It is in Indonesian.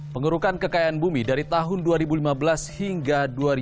pengurukan kekayaan bumi dari tahun dua ribu lima belas hingga dua ribu dua